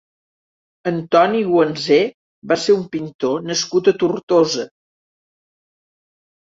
Antoni Guansé va ser un pintor nascut a Tortosa.